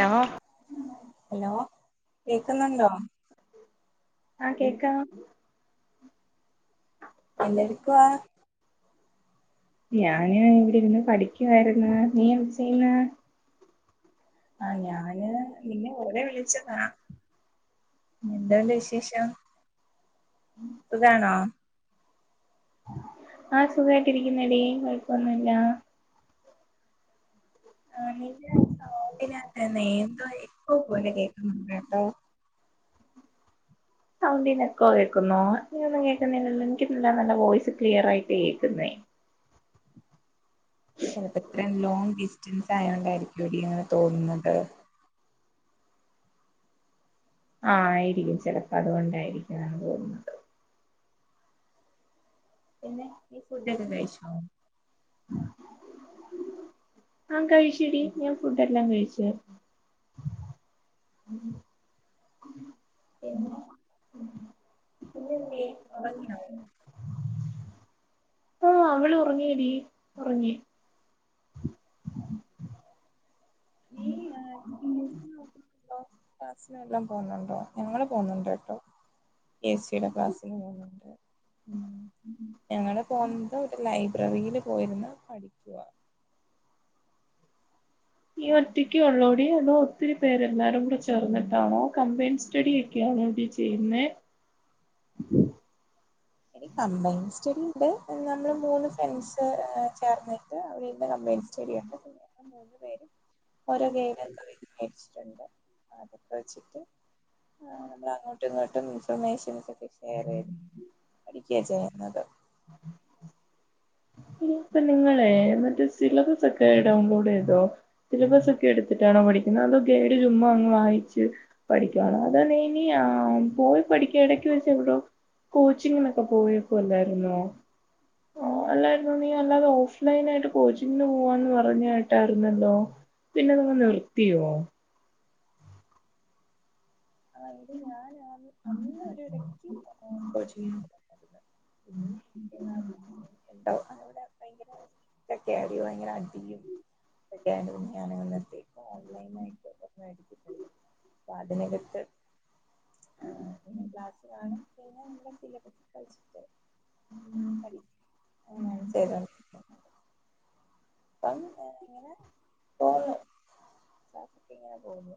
Law hello കേക്ക്ണ് കേക്കുന്നുണ്ടോ ണ്ടോ ആ കേക്കാം എന്തെട്ക്കുവാ ഞാന് ഇവ്ടെ ഇര്ന്ന് പഠിക്കുവായിര്ന്ന് നീ എന്ത ചെയ്യ്ന്നേ ആ ഞാന് നിന്നെ [unintelligible] റെ വിളിച്ച് കാ എന്താല്ല വിശേഷം സുഖാണോ ആ സുഖായിട്ടിരിക്ക്ന്നെടീ കാെഴപ്പൊന്നുല്ല ആ നിന്റെ സൗണ്ടിനകത്ത്ന്നെ എന്തോ എക്കോ പോലെ കേക്ക്ന്ന്ണ്ട് കേട്ടോ സൗണ്ടിനൊക്കോ കേൾക്കുന്നോ നീൊന്നും കേൾക്കുന്നില്ലല്ലോ എനക്ക് നല്ല നല്ല വോയിസ് ക്ലിയർ ആയിട്ട് കേൾക്കുന്നേ [unintelligible] ചിലപ്പോ ഇത്രയും ലോങ് ഡിസ്റ്റൻസ് ആയോണ്ടായിരിക്കും എടി അങ്ങനെ തോന്നുന്നത് ആഹ ആയിരിക്കും ചിലപ്പോ അതുകൊണ്ടായിരിക്കുംാണ് തോന്നുന്നത് പിന്നെ ഈ ഫുഡൊക്കെ കഴച്ചോ ആ കഴിച്ചടി ഞാൻ ഫുഡ എല്ലാം കഴിച്ചു ഉം പിന്നെ ഉറി ആഓ അവള് ഉറങ്ങിയടി ഉറങ്ങി ആ ിന എല്ലാം പോകുന്നുണ്ടോ ഞങ്ങള് പോുന്നുണ്ടോ കേട്ടോ എ സിയുടെ ക്ലാസ്സിന് പോണ്ട് ഞങ്ങ പോന്ത ഒരു ലൈബ്രറിയില് പോയിന്ന് പഠിക്കുവ നീ ഒറ്റയ്ക്ക് ഉള്ളോടി അതോ ഒത്തിരി പേരെല്ലാരും കൂടെ ചേർന്നിട്ടാണോ കംപ്ലയിൻറ് സ്റ്റഡി ഒക്കെയ അ ചെയ്യുന്ന [unintelligible] എനി കമ്പൈൻ സ്റ്റഡി ഉണ്ട് നമ്മള് മൂന്ന് ഫ്രണ്ട്സ് ചേർന്നിട്ട് അവിടെ േൻ സ്റ്റേഡിയട്ട് മൂന്ന്ു പേര് ഓരോ കയിലക്കെ മേടിച്ചിട്ടുണ്ട് അതൊക്കെ വെച്ചിട്ട് ആ നമ്മള അങ്ങോട്ടും ഇങ്ങോട്ടും ഇൻഫർമേഷന ഷെയർ ചെയ്ത് [unintelligible] ഇ ഇപ്പ നിങ്ങളെ മറ്റേ സിലബസ് ഒക്കെ ഡൗൺലോഡ് ചെയ്തോ സിലബസ് ഒക്കെ എടുത്തിട്ടാണോ പഠിക്ക അത ഗൈഡ ചുമ് അങ്ങ് വായിച്ച്ു പഠിക്കുവാണ് അത ഇനി ആ പോയി പഠിക്ക ഇടക്ക് വെച്ച എവിട കോച്ചിങ്ങിനൊക്കെ പോയക്ക അല്ലായിുന്നോ ആ അല്ലായിരുന്നു നീ അല്ലാതെ ഓഫ്ലൈൻ ആയിട്ട് കോച്ചിങ്ങിന് പോവാന്ന് പറഞ്ഞായിട്ടായിരുന്നല്ലോ പിന്നെ നിങ്ങ നിർത്തിയോ ആയി് ഞാൻ അന്ന് ഒ ഇടക്ക്ും ചെയരുന്നുന്ന എന്തോ അവിടെ ഭയങ്കര ഒക്കെ അറോ ഭയങ്കര അടിയും ണത്തേക്ക ഓൺലൈൻ ആയിട്ട് ഒിച്ചിട്ടുണ്ട് അൊ അതിന ആ പിന്നെ ക്ലാസ് കാണും പിന്നെ നല്ല സിലബസ് കിച്ചിട്ട് ഉ പഠ അങ്ങനെയാണ് ചെയ പോോന്ന ക്കെ ഇങ്ങനെ പോകുന്നു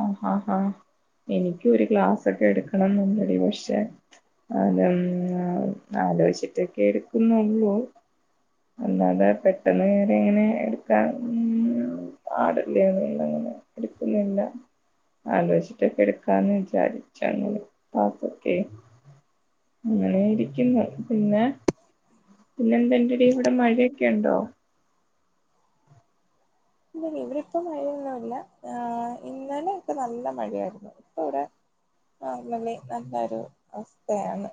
ആഹഹാഹാ എനിക്ക ഒരു ഗ്ലാസ്ൊക്കെ എടുക്കണം എന്നുണ്ടടി പക്ഷെ അത ആലോചിച്ചിട്ടൊക്കെ എടുക്കുന്നുള്ളൂ അല്ലാതെ പെട്ടെന്ന് കേയറി എങ്ങനെ എടുക്കാൻ ആടല്ലേന്നങ്ങനെ എടുക്കുന്നില്ല ആലോചിട്ടൊക്കെ എടുക്കാന്ന് വിചാരിച്ചങ്ങ പത്തക്കെ അങ്ങനെ ഇരിക്കുന്നു പിന്നെ പിന്നെ എന്തറട ഇവിടെ മഴയൊക്കെ ഉണ്ടോ ഇെ ഇവരിപ്പോൊ മഴയൊന്നുമല്ല ആ ഇന്നലെൊക്കെ നല്ല മഴയായിരുന്നു ഇപ്പ ഇവിടെ നലി നല്ലൊരു അവസ്ഥയാണ്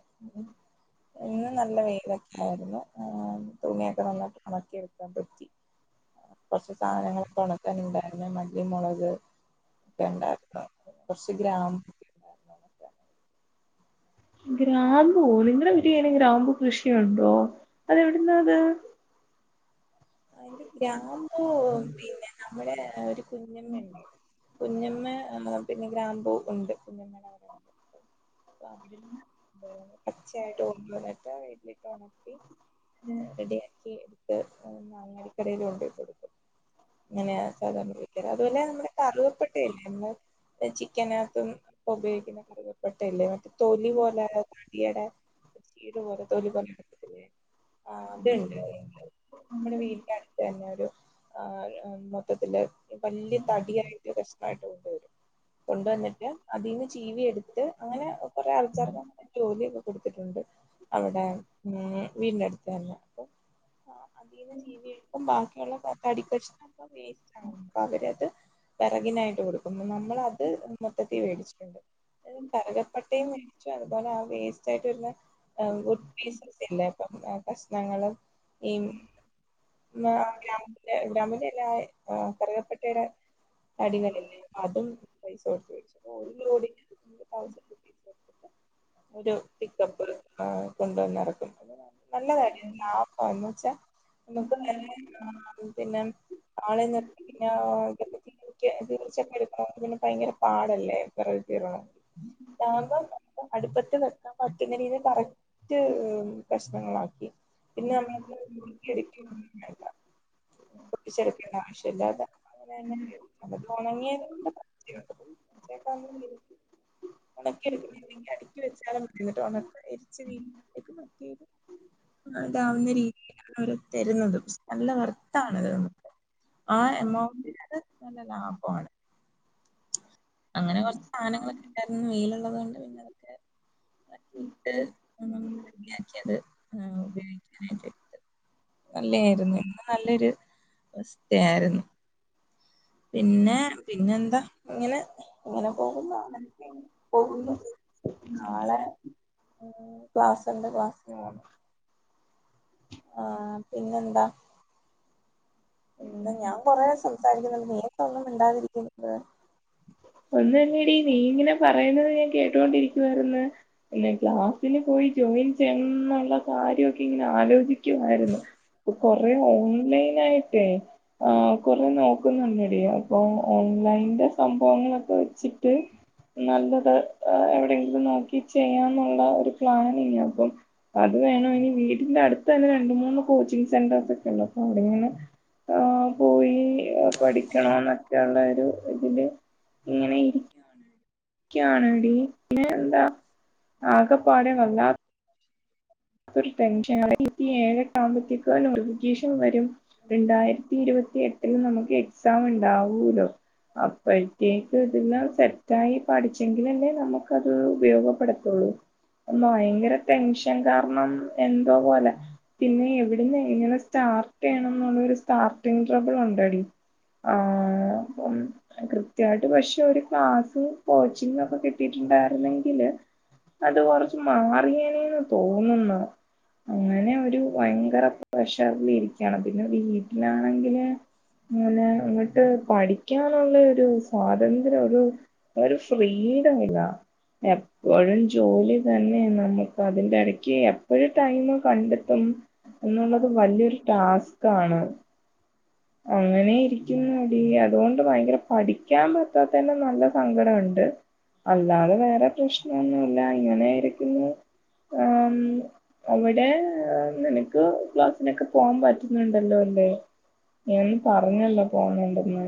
ഇന്ന് നല്ല വെയിലൊക്കെ ആരുന്നു തുങ്ങിയൊക്കെ നന്നായിട്ട് ഉണക്കിയെടുക്കാൻ പറ്റിറ സാധനങ്ങ തണുത്തൻ ഉണ്ടായിരുന്ന മല്ലമുളക് ഒക്കെ ഉണ്ടായിരുന്നു കുറച്ചച്ച് ഗ്രാമം ഗ്രാമ്പ നിങ്ങള വീട്ടന ഗ്രാമ്പ് കൃഷിയുണ്ടോ അതെവിടുന്ന അത് [unintelligible] ആ അന്റെ ഗ്രാമ്പൂ പിന്നെ നമ്മുടെ ഒരു കുഞ്ഞൻ വണ്ട് കുഞ്ഞമ്മ പിന്നെ ഗ്രാമ്പൂ ഉണ്ട് കുഞ്ഞമ്മയുടെണ്ട് പച്ചയായിട്ട് കൊണ്ടന്നിട്ട് വീട്ടിലിട്ട് ഉണപ്പി റെഡിയാക്കി എടുത്ത് അങ്ങടിക്കറിൽ കൊണ്ട പോട്ട എടുക്കും അങ്ങനെയ സാധിക്ക അതുപോലെ നമ്മുടെ കറവപ്പെട്ടല്ലേ നമ്മ ചിക്കനകത്തും ഉപയോഗിക്കുന്ന കകപ്പെട്ടല്ലേ മറ്റേ തോലി പോലെ തടിയുടെ ീരോ ത പറല കട്ടേ ആ ഉ വീടിന്റെ തന്നെ ഒരു മൊത്തത്തിന്റെ വലിയ തടിയായിട്ട് കഷണമായിട്ട് കൊണ്ട വരും കൊണ്ടുവന്നിട്ട് അതിൽന്ന് ജീവി എടുത്ത് അങ്ങനെ കൊറെേ ആൾക്കാർക്ക് അങ്ങനെ ജോലിയൊക്കെ കൊടുക്ക അവിടെ വീടി അടുത്ത് തന്നെ അ ചീവ എടുക്കും ബാക്കിയുള്ള തടിക്കച്ച ന വേസ്റ്റ് ആും അപ്പൊ അവരത് പിറകിനായിട്ട് കൊടുക്കുമ്പ നമ്മൾ അത് മൊത്തത്തി മേടിച്ചിട്ടുണ്ട് തരപ്പട്ടയും മേിച്ചും അതുപോലെ ആ വേസ്റ്റ് ആയിട്ട് വരുന്ന ഗുഡ് പ്ലേസസ് ഇല്ലേ ഇപ്പം കഷ്ണങ്ങളും ഉം ഗ്രാമത്തില ഗ്രാമീണല്ല പ്രറതപ്പെട്ടരെ അടില്ല അതും പൈസ കൊടുത്തടിച്ചുൂടി സ് എടുട്ട് ഒരു പിക്കപ്പ്് കൊണ്ടുവന്നിറക്കും നല്ലതായിടപ്പ എന്നന്ന്ുവച്ച നമക്ക് വ [inaudible] പിന്നെ നാളെ തീർച്ചയൊക്കെ എക്ക പിന്നെ ഭയങ്കര പാടല്ലേ വിറ തീരണമെങ്കിൽ നാ അടുപ്പത്ത് വെക്കറ്റങ്ങന കറ പ്രശ്നങ്ങളാക്കി ഉ ട്ടിച്ചെക്ക ആവശ്യില്ലത അങ്ങനെ തന്നെതി ഉണങ്ങിയച്ചക്ക ഉണക്കിടു അക്ക വെച്ചാല മിട്ട് വന്നക്ക എരിച്ച നീത് ഇതാവുന്ന രീതിയിലാണ് അവർ തരുന്നത് നല്ല വർത്തണത് നമുക്ക് ആഹ എമൗ നല്ല ലാഭമാണ് അങ്ങനെ കൊറച്ച് സാധനങ്ങളൊക്കെ ഉണ്ടായിരുന്നു മെയിലുള്ളത് കൊണ്ട് പിന്നെ അതൊക്കെ ആക്കട്ട് നമ്മൾ കംഗിയാക്കിയത് ഉപയോഗിക്കാനായിട്ട് നല്ലായിരുന്നു ഇ നല്ലൊരു അവസ്ഥയായിരുന്നു പിന്നെ പിന്നെ എന്താ ഇങ്ങനെ ഇങ്ങനെ പോകുന്നു അങ്ങന പോകുന്നു നാളെ ക്ലാസ്സ് രണ്ട് ക്ലാസ്സി മണ് ആഹ പിന്നെ എന്താ എന്താ ഞാൻ കൊറെേ ഞങ്ങടെ സംസാരിക്കുന്നുണ്ട് നീക്ക ഒന്നും ഇണ്ടാതിരിക്കുന്നത് അ നീ ഇങ്ങനെ പറയുന്നത് ഞാൻ കേട്ടൊണ്ടിരിക്കുവ ക്ലാസിന് പോയിോയി ചെന്നുള്ള കാര്യമൊക്കെ ഇങ്ങനെ ആലോചിക്കുമായിരുന്നു ഇപ്പൊ കൊറ ഓൺലൈൻ ആയിട്ടേ ആ് കൊറെ നോക്കുന്നുണ്ട്ട അപ്പൊ ഓൺലൈൻന്റെ ങ്ങളൊക്കെ വെച്ചിട്ട് നല്ലത് എവിടെയെങ്കിലും നോക്കി ചെയ്യാന്നുള്ള ഒരു പ്ലാൻ ഇനി അപ്പം അത് വേണം ഇനി വീടിന്റെ അടുത്ത തന്നെ രണ്ട മൂന്ന് കോച്ചിങ്ങ് സെന്റേർസ് ഒക്കെ ഉള്ളൂ അപ്പൊ അവിടെ ഇങ്ങനെ ആ പോയി പഠിക്കണം എന്നൊക്കെള്ള ഒരു ഇതില് ഇങ്ങനെ മുക്കണടി ന്ത ആകപാടെേ വല്ലാ മിണ്ടാതിരിക്കുന്നത് ടെൻഷ ആയിരത്തി ഏഴ് താമ്പത്കഗീഷൻ വരും രണ്ടായി ആായിരത്തി ഇരുപത്തി എട്ടിൽ നമുക്ക് എക്സാം ഉണ്ടാവൂല്ലോ അപ്പോഴത്തേക്ക് ഇതെല്ലാം സെറ്റായി പാഠിച്ചെങ്കിലന്നെ നമുക്ക്ത് ഉപയോഗപ്പെടുത്തുള്ളൂ ഭയങ്കര ടെൻഷൻ കാ ന്നാൽ എന്തോ പോലെ. പിന്നെ എവിടെന്ന് സ്റ്റാർട്ട്‌ ചെയണ സ്റ്റാർട്ടിങ് ട്രബിൾ ഉണ്ടെടി ആം. കൃത്യമായിട്ട് പക്ഷെ ഒരു ക്ലാസ്സും കോച്ചിങ്ങും ഒക്കെ കിട്ടിട്ടില്ല. ഉണ്ടായിരുന്നെങ്കിൽ അത് കൊറച്ച് മാറിയനന്ന് തോന്ന മ്മ്. അങ്ങനെ ഒരു ഭയങ്കര പ്രഷറിൽ ഇരിക്കാണ്. പിന്നെ വീട്ടിലാണെങ്കില് അങ്ങനെ അങ്ങോട്ട് പഠിക്കാനുള്ള ഒരു സ്വാതന്ത്ര്യം ഒരു ഒരു ഫ്രീ [unintelligible] എപ്പോഴും ജോലി തന്നെ നമുക്ക് അതിന്റെ എട എപ്പോഴും ടൈം കണ്ടെത്തും എന്നുള്ളത് വലിയൊരു ടാസ്ക് ആണ്. അങ്ങനെ ഇരിക്കുന്നടി അതുകൊണ്ട് ഭയങ്കര പഠിക്കാൻ പറ്റാതെന്റെ നല്ല സങ്കടുണ്ട്. അല്ലാതെ വേറെ പ്രശ്നൊന്നുവില്ല ഇങ്ങനെയിരിക്കുന്നു ആ അവിടെ നിനക്ക് ക്ലാസിനൊക്കെ പോകാൻ പറ്റുന്നുണ്ടല്ലോ അ [unintelligible] നീ അന്ന് പറഞ്ഞല്ലോ പോണണ്ടന്ന്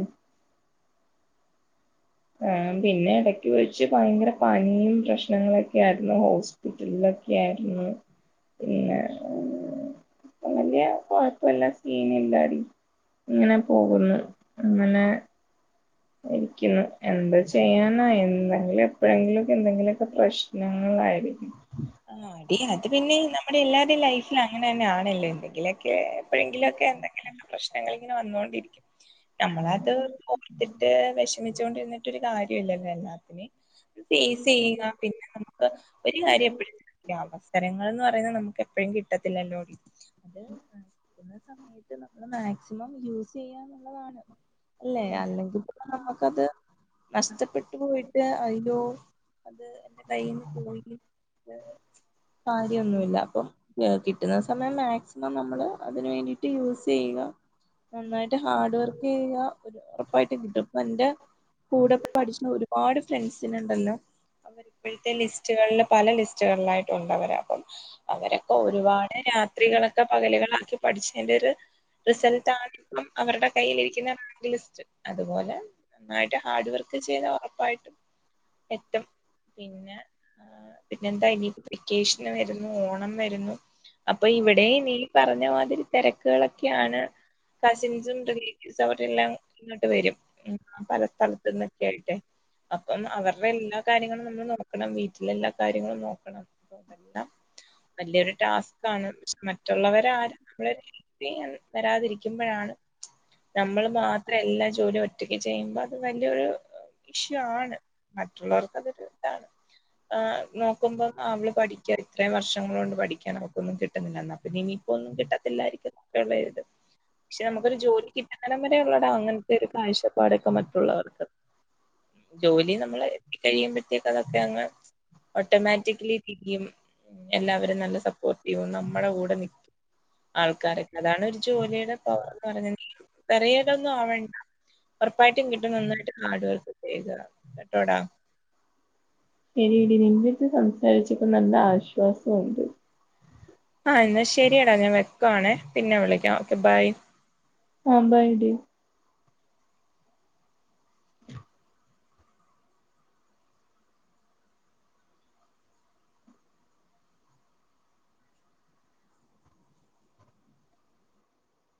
ആ പിന്നെ എടക്ക് വച്ച് ഭയങ്കര പനിയും പ്രശ്നങ്ങളൊക്കെ ആയിരുന്നു ഹോസ്പിറ്റലില് ക്കെയാരുന്നു പിന്നെ വല്യ കൊഴപ്പൊ ല്ല സീനില്ലാടി ഇങ്ങനെ പോകുന്നു അങ്ങനെ ഇരിക്കുന്നു എന്താ ചെയ്യാനാ എന്തെങ്കിലും എപ്പോഴെങ്കിലും ഒക്കെ എന്തെങ്കിലൊക്കെ പ്രശ്നങ്ങളാ ആയിരിക്കും. ദേയ് അത് പിന്നെ നമ്മുടെ എല്ലാരുടെയും ലൈഫിൽ അങ്ങനതന്നെ ആണല്ലോ എന്തെങ്കില് ക്കെ എപ്പോഴെങ്കിലും ഒക്കെ എന്തെങ്കിലൊക്ക പ്രശ്നങ്ങൾ ഇങ്ങനെ വന്നോണ്ടിരിക്കും. നമ്മളത് ഓർത്തിട്ട് വെഷമിച്ചോണ്ടിരുന്നിട്ടൊരു കാര്യല്ലല്ലോ എല്ലാത്തിന് ഫേസ് ചെയ്യുക പിന്നെ നമുക്ക് ഒരു കാര്യം എപ്പഴും അവസരങ്ങളെന്ന് പറയുന്നത് നമുക്ക് എപ്പഴും കിട്ടത്തില്ലല്ലോടി അത് ആസ്വദിക്കുന്ന സമയത്ത് നമ്മള് മാക്സിമം യൂസെയ്യാന്നുള്ളതാണ് അല്ലേ അല്ലെങ്കിൽ പിന്നെ നമക്കത് നഷ്ടപ്പെട്ടു പോയിട്ട് അതിലോ അത് എൻ്റെ കയ്യിൽന്ന് പോയി ത് കാര്യമൊന്നുമില്ല അപ്പൊ കിട്ടുന്ന സമയം മാക്സി മം നമ്മള് അതിനു വേണ്ടിട്ട് യൂസ് ചെയ്യുക. നന്നായിട്ട് ഹാർഡ് വർക്ക് ചെയ്യതാ ഒരു ഉറപ്പായിട്ട് കിട്ടും. ഇപ്പൊന്റെ കൂടെ പഠിച്ചിണ ഒരുപാട് ഫ്രണ്ട്സിനുണ്ടല്ലോ അവരിപ്പോഴത്തെ ലിസ്റ്റുകളില് പല ലിസ്റ്റുകളിലായിട്ട് ഉണ്ടവരപ്പം അവരൊക്കെ ഒരുപാട് രാത്രികളൊക്കെ പകലുകളാക്കി പഠി പഠിച്ചതിന്റെ ഒരു റിസൾട്ടാണ് ഇപ്പം അവരുടെ കൈയ്യിലിരിക്കുന്ന റാങ്ക് ലിസ്റ്റ്. അതുപോലെ നന്നായിട്ട് ഹാർഡ് വർക്ക് ചെയ്ത ഉറപ്പായിട്ടും എത്തും പിന്നെ ആ പിന്നെ എന്താ ഇനി വെക്കേഷന് വരുന്നു. ഓണം വരുന്നു. അപ്പൊ ഇവിടെ നീ പറഞ്ഞമാതിരി തെരക്കുകളൊക്കെയാണ്. കസിൻസും റിലേറ്റീവ്സും അവരെ എല്ലാം ഇങ്ങോട്ട് വരും പല സ്ഥലത്തിന്നെക്കെ ആയിട്ടെ. അപ്പം അവര്ടെ എല്ലാ കാര്യങ്ങളും നമ്മള് നോക്കണം വീട്ടിലെല്ലാ കാര്യങ്ങളും നോക്കണം അപ്പോ അതെല്ലാം വല്യയൊരു ടാസ്കാണ് പക്ഷെ മറ്റുള്ളവരാരും നമ്മളെ ഹെല്പ് ചെയ്യാൻ നിക്ക് വരാതിരിക്കുമ്പഴാണ് നമ്മള് മാത്രേ എല്ലാ ജോലിയൊറ്റ ഒറ്റക്ക് ചെയ്യുമ്പ അത് വലിയൊരു ഇഷ്യു ആണ് മറ്റുള്ളവർക്ക് അതൊരു ഇതാണ് ആഹ് നോക്കുമ്പം അവള് പഠിക്കാണ് ഇത്രയും വർഷങ്ങളൊണ്ട് പഠിക്കാണ് അവൾക്കൊന്നും കിട്ടുന്നില്ലാന്ന് അപ്പൊ ഇനിയിപ്പോ ഒന്നും കിട്ടത്തില്ല ഇല്ലാരിക്കും ഇഷ്ട്ടവൊള്ളെ എഴുത് പക്ഷെ നമുക്കൊരു ജോലി കിട്ടുന്നാനോണം വരെ ഒള്ളെടാ അങ്ങനത്തെ ഒരു കാഴ്ചപ്പാടൊക്ക മറ്റുള്ളവർക്ക് ജോലി നമ്മളെ കഴിമ്പത്തേക്കും അതൊക്കെ അങ്ങ് ഓട്ടോമാറ്റിക്കലി തീയും എല്ലാവരും നല്ല സപ്പോർട്ട്യ്യും നമ്മള കൂടെ നിക്കും ആൾക്കാരൊക്കെ അതാണ് ഒരു ജോലിയുടെ പവർന്ന് പറഞ്ഞ വറി ഡ്‌ ഒന്നും ആവണ്ട. ഉറപ്പായിട്ടും കിട്ടും നന്നായിട്ട് ഹാർഡ് വർക്ക് ചെയ് [unintelligible] കേട്ടോടാ ശരി ഇടി നിൻ്റെടത്ത് സംസാരിച്ചപ്പം നല്ല ആശ്വാസം ഒണ്ട് ആ എന്നാൽ ശെരിയടാ ഞാൻ വെക്കുവാണേ പിന്നെ വിളിക്കാം ഓക്കെ ബൈ ആഹ് ബൈ ടി